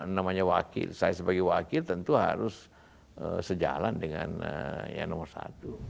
namanya wakil saya sebagai wakil tentu harus sejalan dengan yang nomor satu